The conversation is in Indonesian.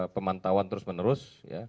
pemantauan terus menerus